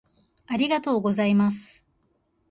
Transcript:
ありがとうございます。